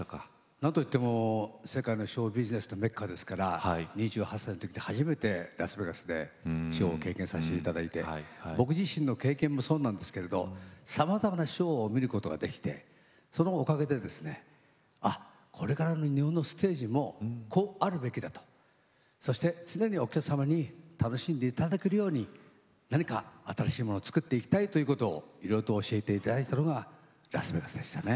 なんといっても世界のショービジネスのメッカですから２８歳の時に初めてラスベガスでショーを経験させて頂いて僕自身の経験もそうなんですけれどさまざまなショーを見ることができてそのおかげでですねあっこれからの日本のステージもこうあるべきだとそして常にお客様に楽しんで頂けるように何か新しいものを作っていきたいということをいろいろ教えて頂いたのがラスベガスでしたね。